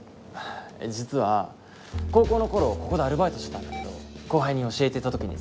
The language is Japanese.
実は高校の頃ここでアルバイトしてたんだけど後輩に教えてた時にさ。